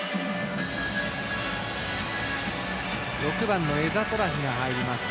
６番のエザトラヒが入ります。